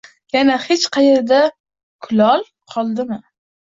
Yana hech qayerda kulol qoldimi